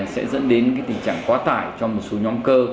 sẽ dẫn đến tình trạng quá tải cho một số nhóm cơ